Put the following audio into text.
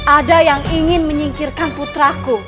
ada yang ingin menyingkirkan putraku